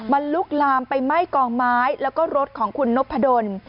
มันลุกลามไปไหม้กองไม้แล้วก็รถของคุณนพดล